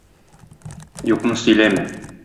Юкны сөйләмә!